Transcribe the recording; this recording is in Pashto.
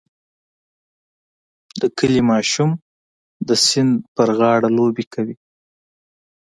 د کلي ماشوم د سیند په غاړه لوبې کوي.